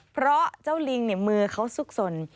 เพราะเจ้าลิงมือเขาซุกสน